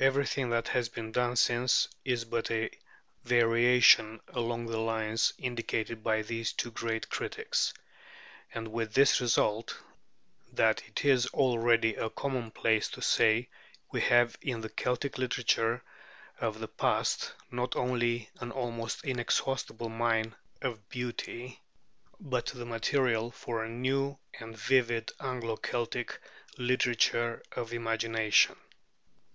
Everything that has been done since is but a variation along the lines indicated by these two great critics; and with this result, that it is already a commonplace to say we have in the Celtic literature of the past not only an almost inexhaustible mine of beauty, but the material for a new and vivid Anglo Celtic literature of the imagination.